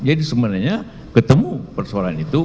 jadi sebenarnya ketemu persoalan itu